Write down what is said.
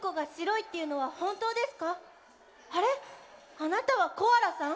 あなたはコアラさん？